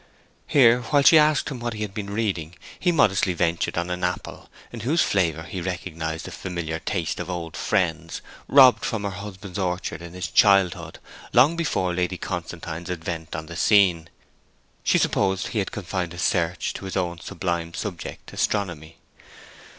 Here, while she asked him what he had been reading, he modestly ventured on an apple, in whose flavour he recognized the familiar taste of old friends robbed from her husband's orchards in his childhood, long before Lady Constantine's advent on the scene. She supposed he had confined his search to his own sublime subject, astronomy?